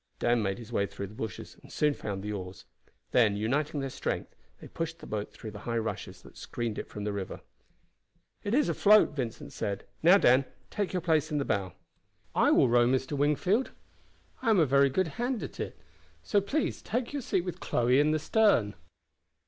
Dan made his way through the bushes, and soon found the oars. Then uniting their strength they pushed the boat through the high rushes that screened it from the river. "It is afloat," Vincent said. "Now, Dan, take your place in the bow." "I will row, Mr. Wingfield. I am a very good hand at it. So please take your seat with Chloe in the stern."